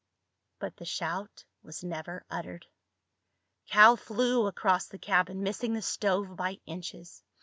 But the shout was never uttered. Cal flew across the cabin, missing the stove by inches.